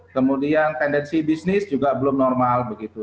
kemudian tendensi bisnis juga belum normal begitu